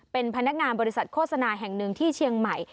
เป็นพนักงานบริษัทโฆษณาแห่งหนึ่งที่เชียงใหม่